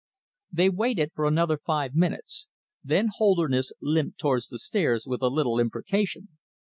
They waited for another five minutes. Then Holderness limped towards the stairs with a little imprecation.